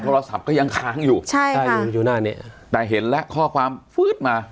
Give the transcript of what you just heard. โทรศัพท์ก็ยังค้างอยู่ใช่ใช่อยู่อยู่หน้านี้แต่เห็นแล้วข้อความฟื๊ดมา